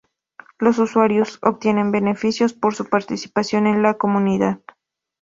Los usuarios obtienen beneficios por su participación en la comunidad.